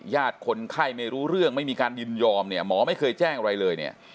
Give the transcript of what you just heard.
ญาติคนไข้ไม่รู้เรื่องไม่มีการยืนยอมหมอไม่เคยแจ้งอะไรเลย